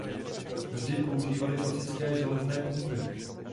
Vždy používaly klasické železné pumy.